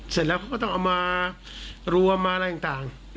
เสร็จแล้วเขาก็ต้องเอามารวมมาอะไรต่าง